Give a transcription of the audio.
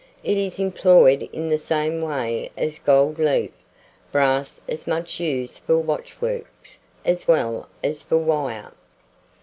It is employed in the same way as gold leaf. Brass is much used for watchworks, as well as for wire.